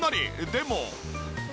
でも。